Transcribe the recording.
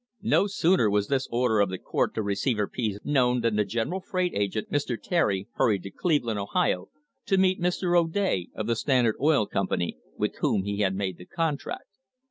No sooner was this order of the court to Receiver Pease known than the general freight agent, Mr. Terry, hurried to Cleveland, Ohio, to meet Mr. O'Day of the Standard Oil Company, with whom he had made the contract.